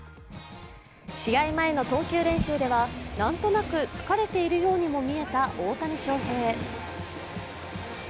試合前の投球練習では、何となく疲れているようにも見えた大谷翔平。